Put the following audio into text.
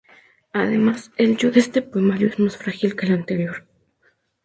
Además, el yo de este poemario es más frágil que el anterior.